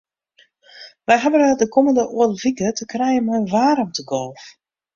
Wy hawwe de kommende oardel wike te krijen mei in waarmtegolf.